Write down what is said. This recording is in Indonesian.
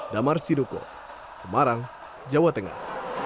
damar sidoko semarang jawa tengah